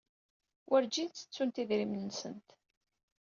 Werjin ttettunt idrimen-nsent.